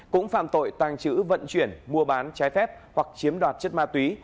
cũng phạm tội tàng trữ vận chuyển mua bán trái phép hoặc chiếm đoạt chất ma túy